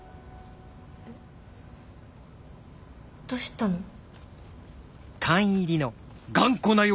どうしたの？